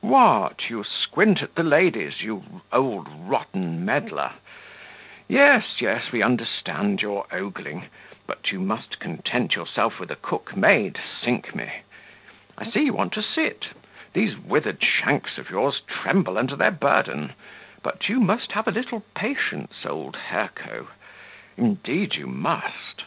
What! you squint at the ladies, you old rotten medlar? Yes, yes, we understand your ogling; but you must content yourself with a cook maid, sink me! I see you want to sit. These withered shanks of yours tremble under their burden; but you must have a little patience, old Hirco! indeed you must.